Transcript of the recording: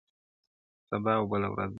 سبا او بله ورځ به٫